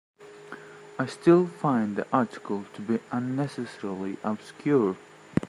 I still find the article to be unnecessarily obscure.